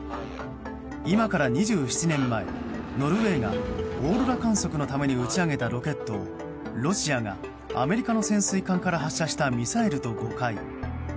今から２７年前ノルウェーがオーロラ観測のために打ち上げたロケットをロシアがアメリカの潜水艦から発射したミサイルと誤解。